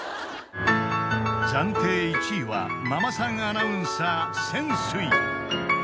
［暫定１位はママさんアナウンサー泉水］